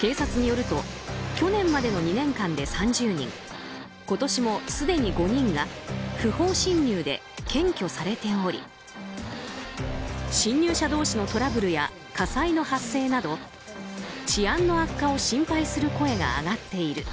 警察によると去年までの２年間で３０人今年もすでに５人が不法侵入で検挙されており侵入者同士のトラブルや火災の発生など治安の悪化を心配する声が上がっている。